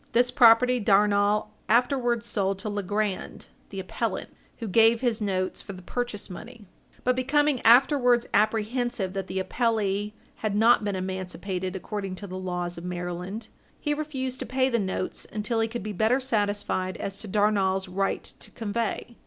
This property Darnall afterwards sold to Legrand, the appellant, who gave his notes for the purchase money. But becoming afterwards apprehensive that the appellee had not been emancipated according to the laws of Maryland, he refused to pay the notes until he could be better satisfied as to Darnall's right to convey.